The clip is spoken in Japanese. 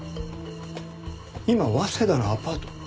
今早稲田のアパート？